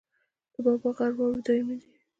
د بابا غر واورې دایمي دي